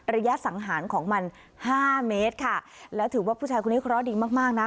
ระยะสังหารของมันห้าเมตรค่ะแล้วถือว่าผู้ชายคนนี้เคราะห์ดีมากมากนะ